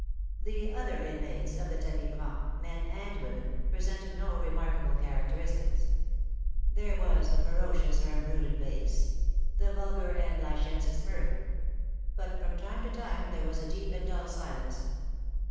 The other inmates of the tapis franc, men and women, presented no remarkable characteristics. There was the ferocious or embruted face, the vulgar and licentious mirth; but from time to time there was a deep and dull silence.